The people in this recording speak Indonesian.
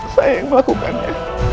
saya yang melakukannya